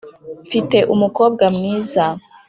mfite umukobwa mwiza,